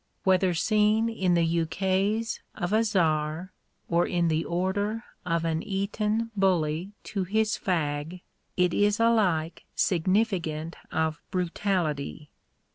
Whether seen in the ukase of a Czar, or in the order of an Eton foully to his fag, it is alike significant of brutality.